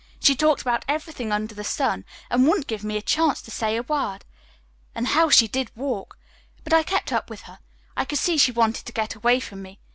She talked about everything under the sun and wouldn't give me a chance to say a word. And how she did walk! But I kept up with her. I could see she wanted to get away from me.